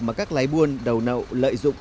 mà các lái buôn đầu nậu lợi dụng